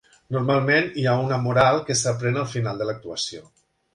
Normalment hi ha una moral que s'aprèn al final de l'actuació.